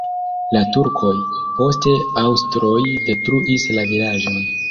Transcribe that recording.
La turkoj, poste aŭstroj detruis la vilaĝon.